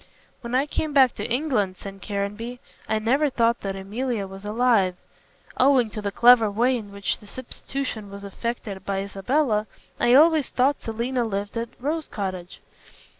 "When I came back to England," said Caranby, "I never thought that Emilia was alive. Owing to the clever way in which the substitution was effected by Isabella, I always thought Selina lived at Rose Cottage.